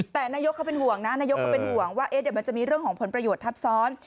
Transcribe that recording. แต่นายกเขาเป็นห่วงนะว่าเดี๋ยวมันจะมีเรื่องของผลประโยชน์ทัพซ้อน